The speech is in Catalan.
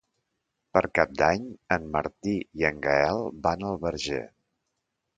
Per Cap d'Any en Martí i en Gaël van al Verger.